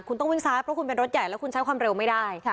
คุณต้องวิ่งซ้ายเพราะคุณเป็นรถใหญ่แล้วคุณใช้ความเร็วไม่ได้